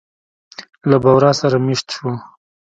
له بورا سره مېشت شوو.